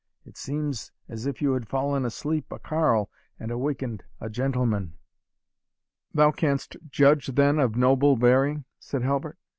It seems as if you had fallen asleep a carle, and awakened a gentleman." "Thou canst judge, then, of noble bearing?" said Halbert.